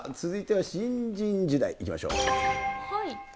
続いては新人時代いきましょう。